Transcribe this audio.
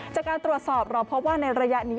จากการตรวจสอบเราพบว่าในระยะนี้